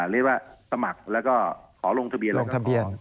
เรียกว่าสมัครแล้วก็ขอลงทะเบียนลงทะเบียน